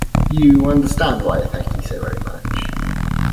You understand why I thank you so very much?